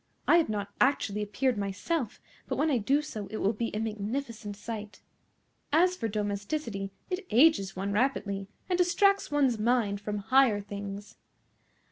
I have not actually appeared myself, but when I do so it will be a magnificent sight. As for domesticity, it ages one rapidly, and distracts one's mind from higher things."